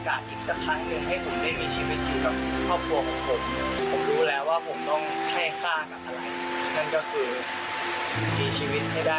โดยที่ผมไม่ได้มองถึงสิ่งอื่นแล้ว